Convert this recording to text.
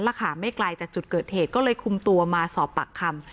แล้วค่ะไม่ไกลจากจุดเกิดเหตุก็เลยคุมตัวมาสอบปากคำ